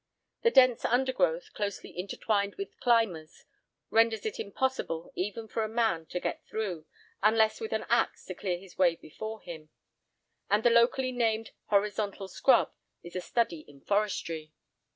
The dense undergrowth, closely intertwined with climbers, renders it impossible even for a man to get through, unless with an axe to clear his way before him. And the locally named "horizontal scrub" is a study in forestry.